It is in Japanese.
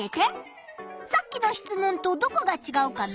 さっきの質問とどこがちがうかな？